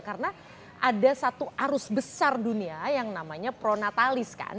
karena ada satu arus besar dunia yang namanya pronatalis kan